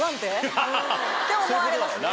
って思われますね。